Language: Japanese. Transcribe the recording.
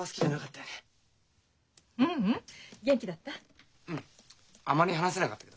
ううん元気だった？